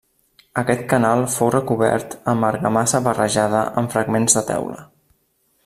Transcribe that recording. Aquest canal fou recobert amb argamassa barrejada amb fragments de teula.